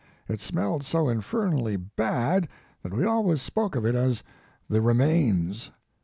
It smelled so infernally bad that we always spoke of it as The Remains.